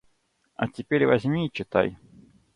– А теперь возьми и читай.